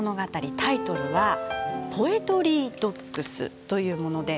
タイトルは「ポエトリー・ドッグス」というものです。